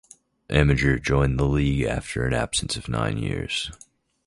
Amager joined the league after an absence of nine years.